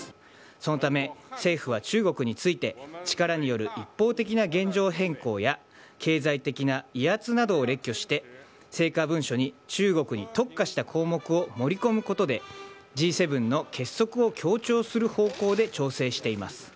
そのため、政府は中国について、力による一方的な現状変更や、経済的な威圧などを列挙して、成果文書に中国に特化した項目を盛り込むことで、Ｇ７の結束を強調する方向で調整しています。